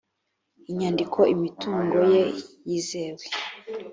inyandiko imitungo ye yizewe